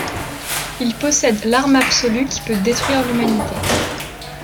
Il possède l'arme absolue qui peut détruire l'humanité.